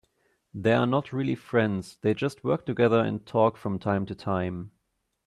They are not really friends, they just work together and talk from time to time.